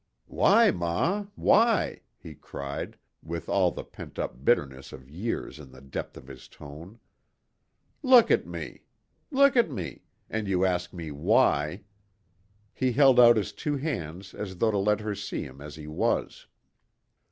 "Why, ma? Why?" he cried, with all the pent up bitterness of years in the depth of his tone. "Look at me! Look at me! And you ask me why." He held out his two hands as though to let her see him as he was.